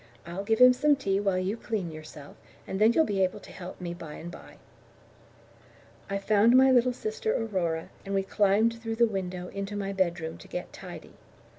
I'll get him some tea while you clean yourself, and then you'll be able to help me by and by." I found my little sister Aurora, and we climbed through the window into my bedroom to get tidy.